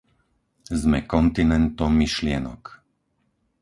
Sme kontinentom myšlienok.